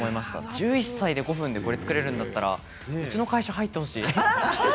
１１歳で作れるんだったらうちの会社に入ってほしい。